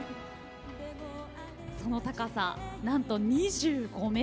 その高さ、なんと２５ｍ。